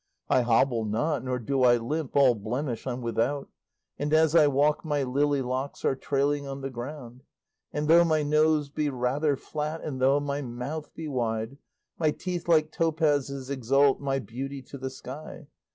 I hobble not nor do I limp, All blemish I'm without, And as I walk my lily locks Are trailing on the ground. And though my nose be rather flat, And though my mouth be wide, My teeth like topazes exalt My beauty to the sky.